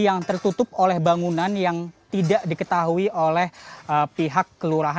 yang tertutup oleh bangunan yang tidak diketahui oleh pihak kelurahan atau pembangunan